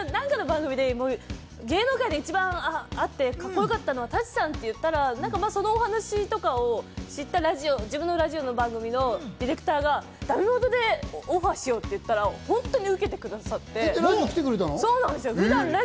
私が何かの番組で、芸能界で一番会ってカッコよかったのは舘さんと言ったら、そのお話とかを知った自分のラジオの番組のディレクターがだめ元でオファーしようと言ったら、本当に受けてくださって。